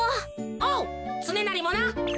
おうつねなりもな。